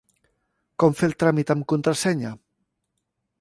Com fer el tràmit amb contrasenya?